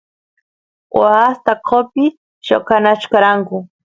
waas taqopi lloqanachkaranku